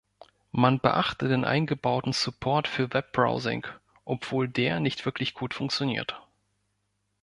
Man beachte den eingebauten Support für Webbrowsing, obwohl der nicht wirklich gut funktioniert.